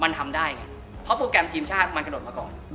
มันทำได้ไงเพราะโปรแกรมทีมชาติมันกระโดดมาก่อน